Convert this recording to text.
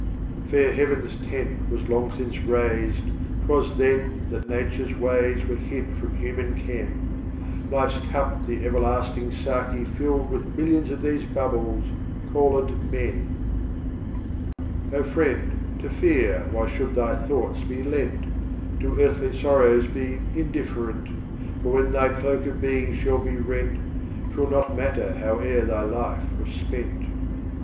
Fair Heaven's Tent was long since raised, 't was Then That Nature's WajJ^s were hid from Human Ken, Life's Cup the Everlasting Sdki filled With Millions of these Bubbles, called Men. Oh, Friend, to Fear why should Thy Thoughts be lent? To Earthly Sorrows be indifferent, For when Thy Cloak of Being shall be rent, 'T will matter not howe'er Thy Life was spent. XII.